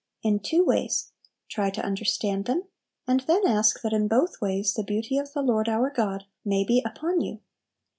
In two ways; try to understand them, and then ask that in both ways the beauty of the Lord our God may be upon you.